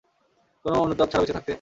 কোন অনুতাপ ছাড়া বেঁচে থাকতে?